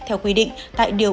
theo quy định tại điều bảy chín